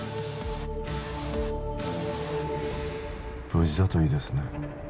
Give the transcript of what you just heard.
無事だといいですね